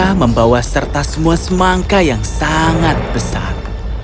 mereka membawa serta semua semangka yang sangat besar